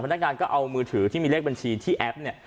พนักงานก็เอามือถือที่มีเลขบัญชีที่แอปเนี่ย